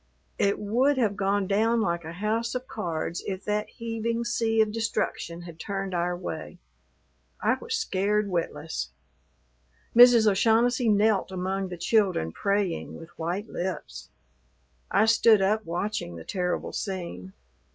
It would have gone down like a house of cards if that heaving sea of destruction had turned our way. I was scared witless. Mrs. O'Shaughnessy knelt among the children praying with white lips. I stood up watching the terrible scene.